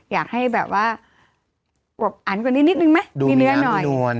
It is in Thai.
อยากให้แบบว่าอวบอันกว่านี้นิดนึงไหมดูเนื้อหน่อย